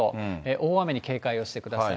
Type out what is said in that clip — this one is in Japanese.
大雨に警戒をしてください。